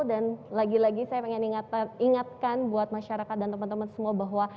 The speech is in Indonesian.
dan lagi lagi saya ingin ingatkan buat masyarakat dan teman teman semua bahwa